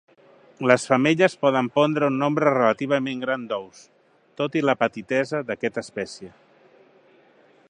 Les femelles poden pondre un nombre relativament gran d'ous, tot i la petitesa d'aquesta espècie.